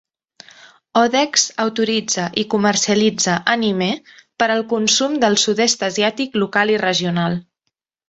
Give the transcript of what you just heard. Odex autoritza i comercialitza "animé" per al consum del Sud-est asiàtic local i regional.